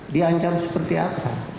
diancam seperti apa